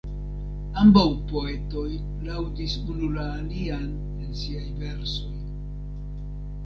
Ambaŭ poetoj laŭdis unu la alian en siaj versoj.